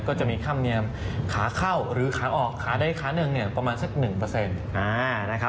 ก็จะมีคำเนียมขาเข้าหรือขาออกขาใดขาหนึ่งประมาณสัก๑